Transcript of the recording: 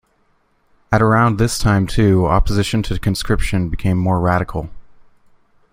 At around this time, too, opposition to conscription became more radical.